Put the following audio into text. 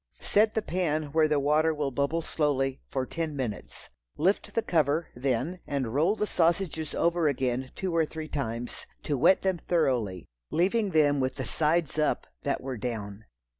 Set the pan where the water will bubble slowly, for ten minutes. Lift the cover then, and roll the sausages over again two or three times, to wet them thoroughly, leaving them with the sides up that were down.